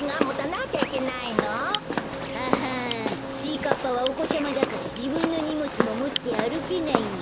かっぱはおこちゃまだからじぶんのにもつももってあるけないんだ。